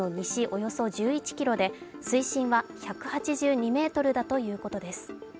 およそ１１ｋｍで水深は１８２ｍだということです。